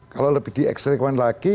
kalau lebih di ekstrikumen lagi